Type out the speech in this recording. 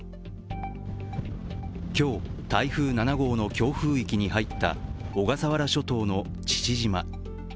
今日、台風７号の強風域に入った小笠原諸島の父島。